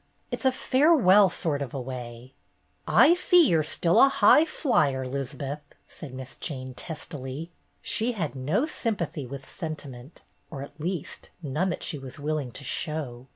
It 's a farewell sort of a way." "I see you 're still a high flyer, 'Liz'beth," said Miss Jane, testily. She had no sympathy with sentiment, or at least, none that she was willing to show.